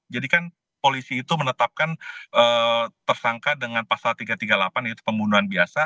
jadi kan polisi itu menetapkan tersangka dengan pasal tiga ratus tiga puluh delapan yaitu pembunuhan biasa